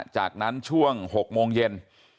จากนั้นช่วง๖โมงเย็น